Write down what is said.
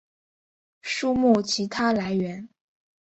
书目其它来源